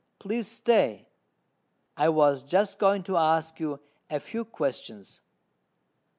Please stay: I was just going to ask you a few questions."